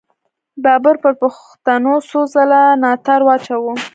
بابر پر پښتنو څو څله ناتار واچاوو.